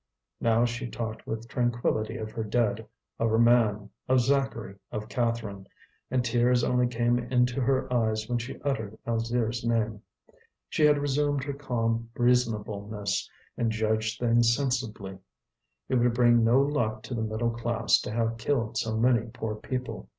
Now she talked with tranquillity of her dead, of her man, of Zacharie, of Catherine; and tears only came into her eyes when she uttered Alzire's name. She had resumed her calm reasonableness, and judged things sensibly. It would bring no luck to the middle class to have killed so many poor people.